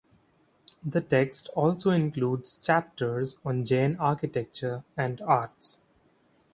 The text also includes chapters on Jain architecture and arts.